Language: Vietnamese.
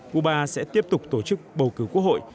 cuba sẽ tiếp tục tổ chức bầu cử quốc hội